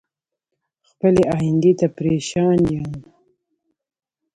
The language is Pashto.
خپلې ايندی ته پریشان ين